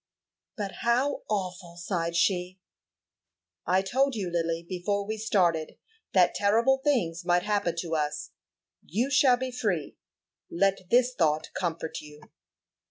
"But how awful!" sighed she. "I told you, Lily, before we started, that terrible things might happen to us. You shall be free; let this thought comfort you."